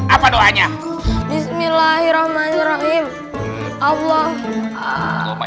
apa doanya bismillahirrahmanirrahim allah